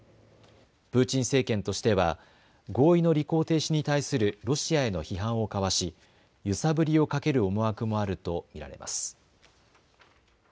プーチン政権としては合意の履行停止に対するロシアへの批判をかわし揺さぶりをかける思惑もあると見られます。